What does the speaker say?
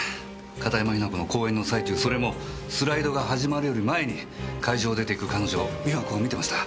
片山雛子の講演の最中それもスライドが始まるより前に会場を出て行く彼女を美和子が見てました。